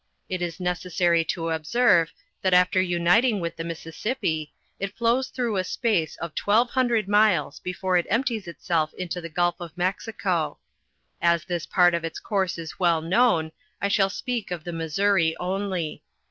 It is necessary to observe, that after uniting; with the Mis sissippi, it flows througli a space of 1^00 miles before it empties itself into the Gulf of Mexico, As this part of its course is well known, I shall speak of the Missouri only.